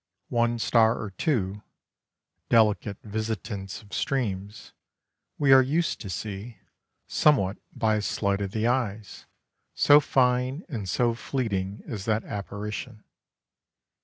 One star or two delicate visitants of streams we are used to see, somewhat by a sleight of the eyes, so fine and so fleeting is that apparition.